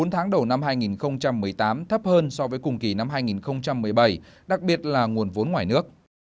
bốn tháng đầu năm hai nghìn một mươi tám thấp hơn so với cùng kỳ năm hai nghìn một mươi bảy đặc biệt là nguồn vốn ngoài nước